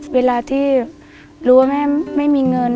เวลาที่รู้ว่าแม่ไม่มีเงิน